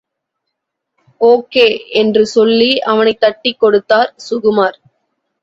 Okay! என்று சொல்லி அவனைத் தட்டிக் கொடுத்தார் சுகுமார்.